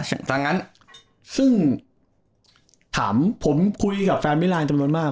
ซะงั้นซึ่งถามผมคุยกับแฟมมิลันด์จำมากมาก